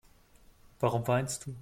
Warum weinst du?